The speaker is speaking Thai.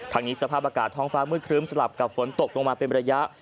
ทางนี้สภาพอากาศท้องฟ้ามืดครึ้มสลับกับฝนตกลงมาเป็นระยะ